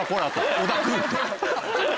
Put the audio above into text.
小田君と。